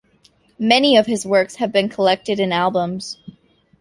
Many of his works have been collected in albums.